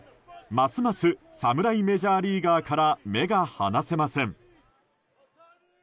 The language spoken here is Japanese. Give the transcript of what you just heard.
ますます侍メジャーリーガーから目が離せません。